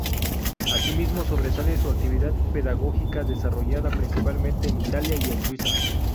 Asimismo sobresale su actividad pedagógica desarrollada principalmente en Italia y en Suiza.